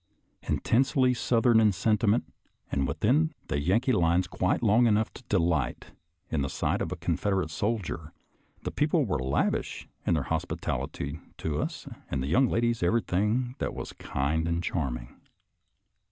Intensely Southern in sentiment, and within the Yankee lines quite long enough to delight in the sight of a Confed erate soldier, the people were lavish in their hos pitality to us, and the young ladies everything that was kind and charming.